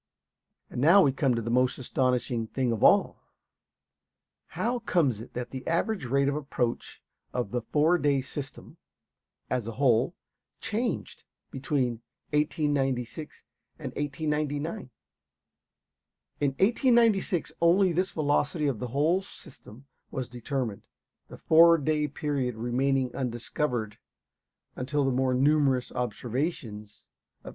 And now we come to the most astonishing thing of all. How comes it that the average rate of approach of the "four day system," as a whole, changed between 1896 and 1899? In 1896 only this velocity of the whole system was determined, the four day period remaining undiscovered until the more numerous observations of 1899.